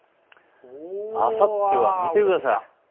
あさってを見てください。